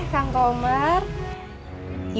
rasa yang betul betul sakit